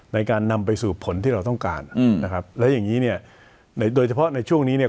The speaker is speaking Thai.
ในการนำไปสู่ผลที่เราต้องการโดยเฉพาะในช่วงนี้